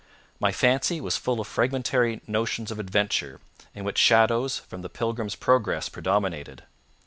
My fancy was full of fragmentary notions of adventure, in which shadows from The Pilgrim's Progress predominated.